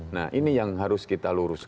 nah ini yang harus kita luruskan